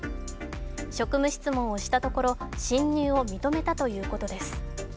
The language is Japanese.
職務質問をしたところ、侵入を認めたということです。